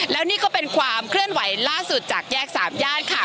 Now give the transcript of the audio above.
แล้วนี่ก็เป็นความเคลื่อนไหวล่าสุดจากแยกสามญาติค่ะ